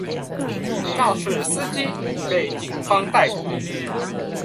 肇事司機已被警方逮捕